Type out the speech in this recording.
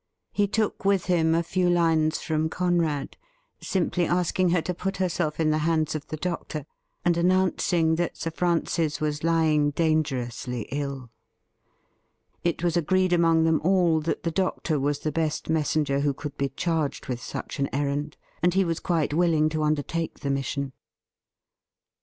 He took with him a few lines from Conrad, simply asking her to put herself in the hands of the doctor, and announcing that Sir Francis was lying dangerously ill. It was agreed among them all that the doctor was the best messenger who could be charged with such an errand, and he was quite willing to under take the mission.